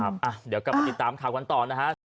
เดี๋ยวกลับมาติดตามข่าวกันต่อนะฮะ